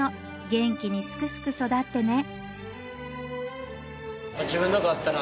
「元気にすくすく育ってね！」